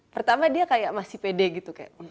pertama dia kayak masih pede gitu kayak